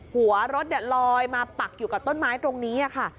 หัวรถลอยมาปักอยู่กับต้นไม้ตรงนี้ค่ะ